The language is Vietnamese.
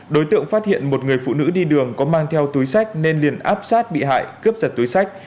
đối tượng phát hiện một người phụ nữ đi đường có mang theo túi sách nên liền áp sát bị hại cướp giật túi sách